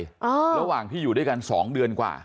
ระหว่างที่อยู่ด้วยกันสองเดือนกว่า